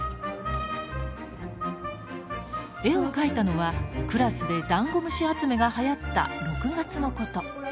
絵を描いたのはクラスでダンゴムシ集めがはやった６月のこと。